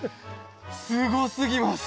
すごすぎます。